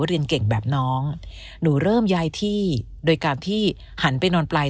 เรียนเก่งแบบน้องหนูเริ่มย้ายที่โดยการที่หันไปนอนปลาย